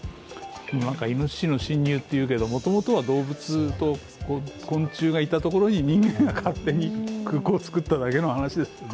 いのししの侵入っていうけど、もともとは動物と昆虫がいた所に人間が勝手に空港をつくっただけの話ですよね。